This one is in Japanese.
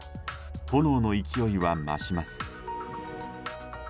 炎の勢いは増します。